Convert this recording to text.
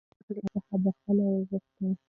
هلک له انا څخه بښنه وغوښته.